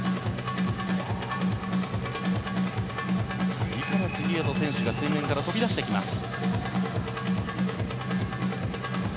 次から次へと選手が水面から飛び出してきます。